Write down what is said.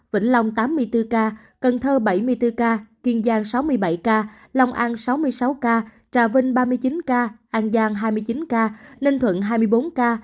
vĩnh long tám mươi bốn ca cần thơ bảy mươi bốn ca kiên giang sáu mươi bảy ca long an sáu mươi sáu ca trà vinh ba mươi chín ca an giang hai mươi chín ca ninh thuận hai mươi bốn ca